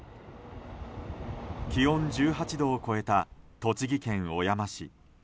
気温１８度を超えた栃木県小山市。